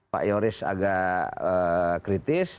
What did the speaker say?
pak yoris agak kritis